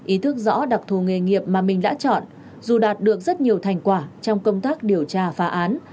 ý thức rõ đặc thù nghề nghiệp mà mình đã chọn dù đạt được rất nhiều thành quả trong công tác điều tra phá án